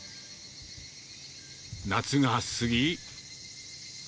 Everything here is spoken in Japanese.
夏が過ぎ。